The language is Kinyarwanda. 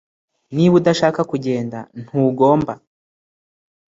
niba udashaka kugenda, ntugomba